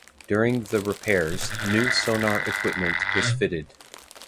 During the repairs, new sonar equipment was fitted.